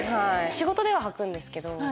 仕事でははくんですけど。